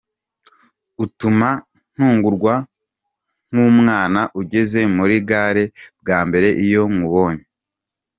Utuma ntungurwa nk’umwana ugeze muri gare bwa mbere iyo nkubonye.